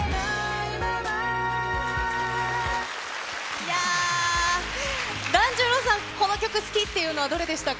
いやぁ、團十郎さん、この曲好きっていうのはどれでしたか？